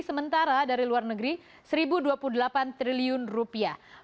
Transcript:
sementara dari luar negeri satu dua puluh delapan triliun rupiah